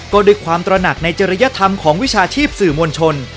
ก็ด้วยความตระหนักในจริยธรรมของวิชาชีพสื่อมวลชน